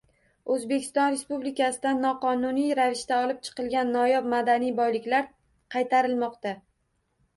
O‘zbekiston Respublikasidan noqonuniy ravishda olib chiqilgan noyob madaniy boyliklar qaytarilmoqda